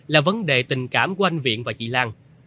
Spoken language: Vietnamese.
là vấn đề tình cảm của anh viện và chị lan